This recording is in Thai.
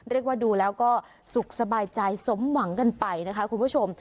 เรียกว่าดูแล้วก็สุขสบายใจสมหวังกันไปนะคะคุณผู้ชม